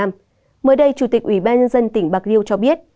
mới đây chủ tịch ủy ban nhân dân tỉnh bạc liêu cho biết